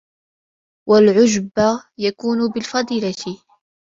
وَالْعُجْبَ يَكُونُ بِالْفَضِيلَةِ